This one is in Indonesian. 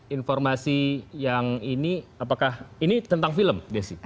informasi yang ini apakah ini tentang film desi